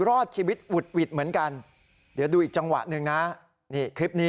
รอดชีวิตหวุดหวิดเหมือนกันเดี๋ยวดูอีกจังหวะหนึ่งนะนี่คลิปนี้